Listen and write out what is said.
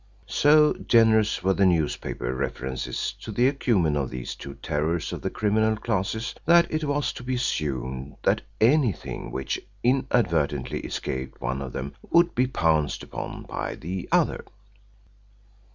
So generous were the newspaper references to the acumen of these two terrors of the criminal classes that it was to be assumed that anything which inadvertently escaped one of them would be pounced upon by the other.